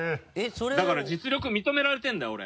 だから実力認められてるんだよ俺。